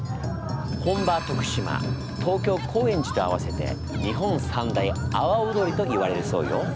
本場徳島東京・高円寺と合わせて日本三大阿波踊りといわれるそうよ。